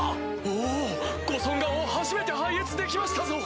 お！ご尊顔を初めて拝謁できましたぞ！